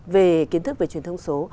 về kiến thức về truyền thông số